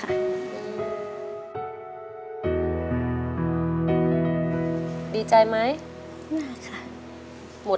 ร้องได้ให้ร้อง